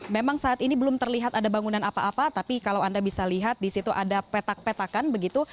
memang saat ini belum terlihat ada bangunan apa apa tapi kalau anda bisa lihat di situ ada petak petakan begitu